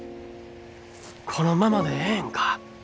このままでええんか。